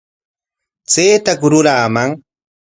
¿Chaytaku ruraaman?